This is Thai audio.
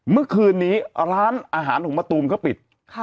เมื่อคืนนี้ร้านอาหารของมะตูมก็ปิด